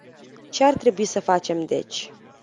Ce ar trebui să facem deci?